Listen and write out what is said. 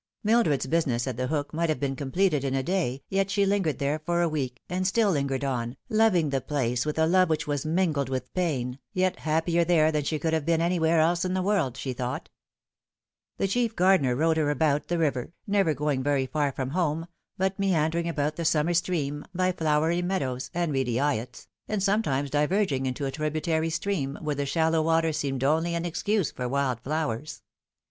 Mildred's business at The Hook might have been completed in a day, yet she lingered there for a week, and still lingered on, loving the place with a love which was mingled with pain, yet happier there than she could have been anywhere else in the world, she thought. The chief gardener rowed her about the river, never going very far from home, but meandering about the summer stream, by flowery meadows, and reedy eyots, and sometimes diverging into a tributary stream, where the shallow water seemed only an excuse for wild flowers.